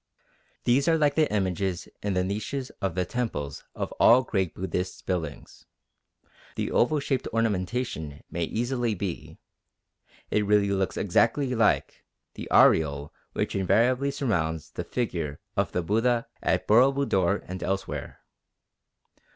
These are like the images in the niches of the temples of all great Buddhist buildings; the oval shaped ornamentation may easily be, it really looks exactly like, the aureole which invariably surrounds the figure of the Buddha at Boro Budor and elsewhere.